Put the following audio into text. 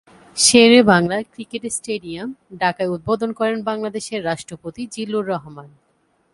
Sher-e-Bangla cricket stadium, ঢাকায় উদ্বোধন করেন বাংলাদেশের রাষ্ট্রপতি জিল্লুর রহমান।